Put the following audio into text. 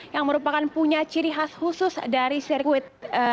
yang merupakan punya ciri khas khusus dari sirkuit